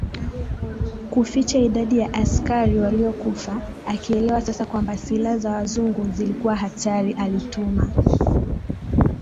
kuficha idadi ya askari waliokufa Akielewa sasa kwamba silaha za Wazungu zilikuwa hatari alituma